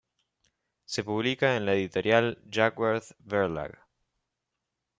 Se publica en la editorial Jackwerth-Verlag.